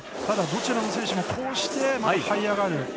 ただ、どちらの選手もこうしてはい上がる。